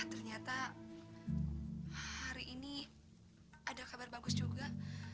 ternyata hari ini ada kabar bagus juga